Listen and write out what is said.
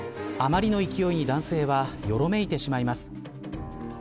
あまりの勢いに男性はよろめいてしまいます。